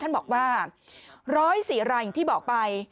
ท่านบอกว่า๑๐๔รายอย่างที่บอกไป